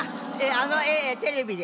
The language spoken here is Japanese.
あのテレビで。